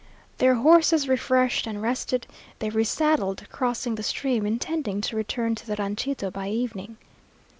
Their horses refreshed and rested, they resaddled, crossing the stream, intending to return to the ranchito by evening.